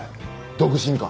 独身か？